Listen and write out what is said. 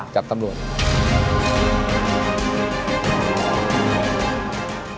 จับตำรวจ